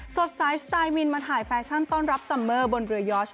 สดสายสไตล์วินมาถ่ายแฟชั่นต้อนรับซัมเมอร์บนเรือยอร์ช